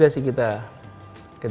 jadi kita berbentuk